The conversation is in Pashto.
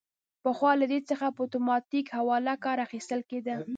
پخوا له دې څخه په اتوماتیک حواله کار اخیستل کیده.